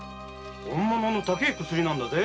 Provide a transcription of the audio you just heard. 本物の高い薬なんだぜ。